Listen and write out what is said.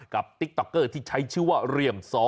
กับติ๊กต๊อกเกอร์ที่ใช้ชื่อว่าเรียม๒๕๓๔๑๗๙๔